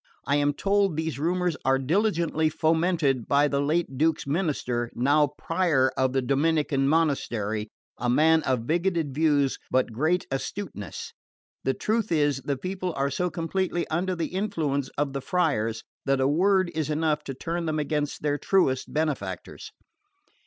I am told these rumours are diligently fomented by the late Duke's minister, now Prior of the Dominican monastery, a man of bigoted views but great astuteness. The truth is, the people are so completely under the influence of the friars that a word is enough to turn them against their truest benefactors.